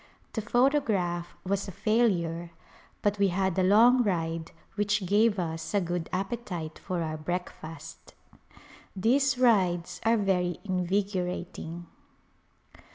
The photograph was a failure but we had a long ride which gave us a good appetite for our breakfast. These rides are very invigorating.